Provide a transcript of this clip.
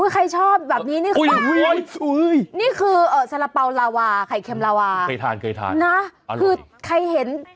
ใครชอบแบบนี้นี่ค่ะนี่คือสระเป๋าลาวาไข่เค็มลาวานะคือใครเห็น